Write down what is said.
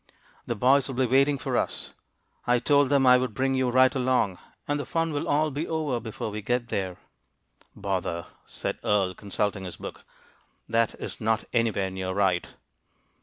"The boys will be waiting for us; I told them I would bring you right along, and the fun will all be over before we get there." "Bother!" said Earle, consulting his book. "That is not anywhere near right."